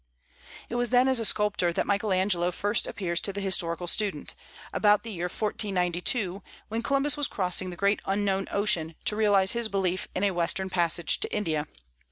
It was then as a sculptor that Michael Angelo first appears to the historical student, about the year 1492, when Columbus was crossing the great unknown ocean to realize his belief in a western passage to India.